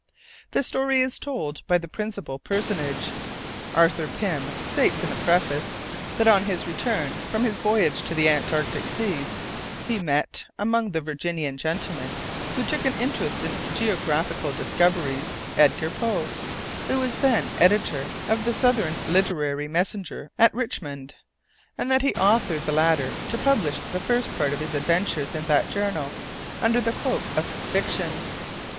The story is told by the principal personage. Arthur Pym states in the preface that on his return from his voyage to the Antarctic seas he met, among the Virginian gentlemen who took an interest in geographical discoveries, Edgar Poe, who was then editor of the Southern Literary Messenger at Richmond, and that he authorized the latter to publish the first part of his adventures in that journal "under the cloak of fiction."